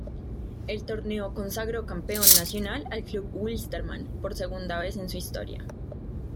El torneo consagró campeón nacional al Club Wilstermann por segunda vez en su historia.